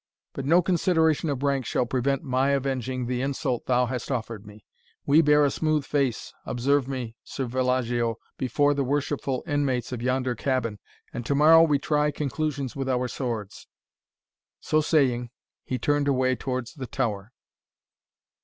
But no consideration of rank shall prevent my avenging the insult thou hast offered me. We bear a smooth face, observe me, Sir Villagio, before the worshipful inmates of yonder cabin, and to morrow we try conclusions with our swords." So saying, he turned away towards the tower.